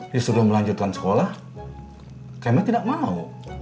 di sudah melanjutkan sekolah kemet tidak mau